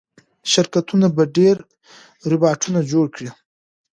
شرکتونه به ډېر روباټونه جوړ کړي.